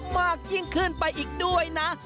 มากยิ่งขึ้นไปอีกด้วยนะ